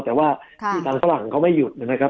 แต่ว่าที่ทางฝรั่งเขาไม่หยุดนะครับ